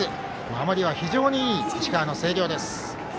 守りは非常にいい石川の星稜です。